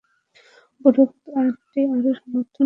উপরোক্ত আয়াতটিও তার সমর্থন করে।